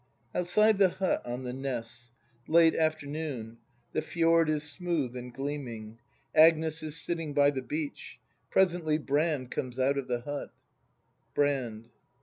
[Outside the hut on the Ness. Late afternoon. The fjord is smooth and gleaming. Agnes is sitting by tlw beach. Presently Brand com^s out of the hut.] Brand.